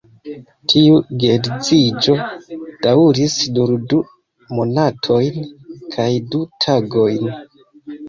Tiu geedziĝo daŭris nur du monatojn kaj du tagojn.